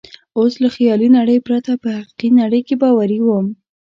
اوس له خیالي نړۍ پرته په حقیقي نړۍ کې باوري وم.